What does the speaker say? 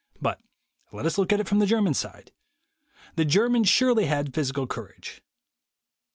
But let us look at it from the Ger man side. The Germans surely had physical cour age.